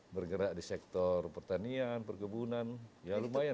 bergerak di sektor pertanian perkebunan ya lumayan